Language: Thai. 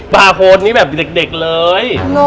บาร์โฮดนี่แบบเด็กเลย